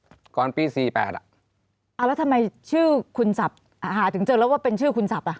เอาก่อนปีสี่แปดอ่ะอ่าแล้วทำไมชื่อคุณสับอาหารถึงเจอแล้วว่าเป็นชื่อคุณสับอ่ะ